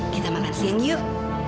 kita makan siang yuk